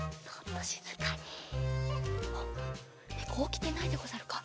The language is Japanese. おっねこおきてないでござるか？